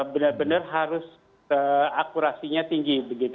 benar benar harus akurasinya tinggi